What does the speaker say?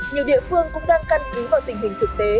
nhiều địa phương cũng đang căn cứ vào tình hình thực tế